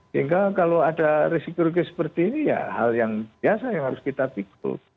sehingga kalau ada risiko riki seperti ini ya hal yang biasa yang harus kita pikir